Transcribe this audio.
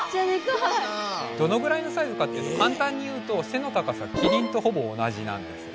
どのぐらいのサイズかってかんたんに言うと背の高さキリンとほぼ同じなんです。